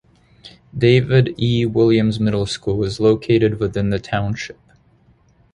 David E. Williams Middle School is located within the township.